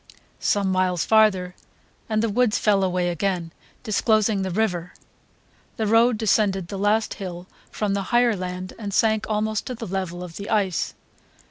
Some miles farther, and the woods fell away again, disclosing the river. The road descended the last hill from the higher land and sank almost to the level of the ice.